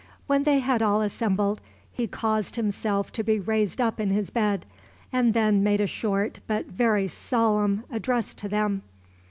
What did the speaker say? When they had all assembled, he caused himself to be raised up in his bed, and then made a short but very solemn address to them.